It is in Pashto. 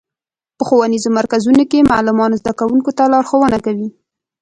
په ښوونیزو مرکزونو کې معلمان زدهکوونکو ته لارښوونه کوي.